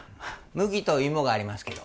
麦と芋がありますけど。